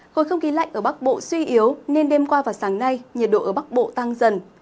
khối không khí lạnh ở bắc bộ suy yếu nên đêm qua và sáng nay nhiệt độ ở bắc bộ tăng dần